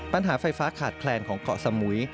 ปัญหาไฟฟ้าขาดแคลนของเกาะสมุย